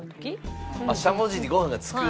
しゃもじにご飯がつく。